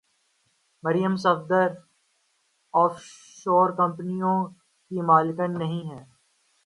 مریم Safdar offshore کمپنیوں کی مالکن نہیں ہیں؟